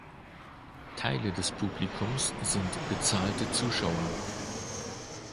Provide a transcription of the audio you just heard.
Teile des Publikums sind bezahlte Zuschauer.